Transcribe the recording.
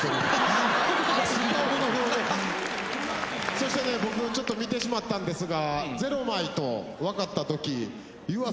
そしてね僕ちょっと見てしまったんですが。